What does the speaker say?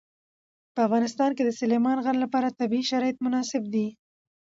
په افغانستان کې د سلیمان غر لپاره طبیعي شرایط مناسب دي.